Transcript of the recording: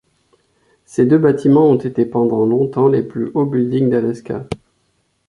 Ces deux bâtiments ont été pendant longtemps les plus hauts buildings d'Alaska.